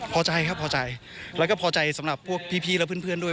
พอใจครับพอใจแล้วก็พอใจสำหรับพวกพี่และเพื่อนด้วย